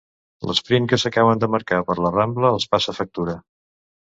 L'esprint que s'acaben de marcar per la Rambla els passa factura.